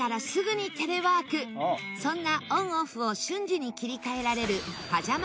そんなオンオフを瞬時に切り替えられる。